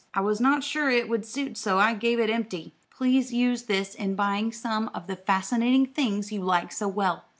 I was not sure it would suit so I gave it empty. Please use this in buying some of the 'fascinating things' you like so well."